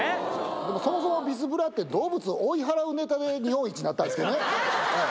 でもそもそもビスブラって動物を追い払うネタで日本一になったんですけどね。